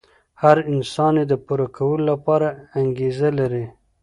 هر انسان يې د پوره کولو لپاره انګېزه لري.